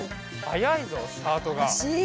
はやいぞスタートが。